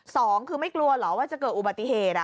สองคือไม่กลัวเหรอว่าจะเกิดอุบัติเหตุ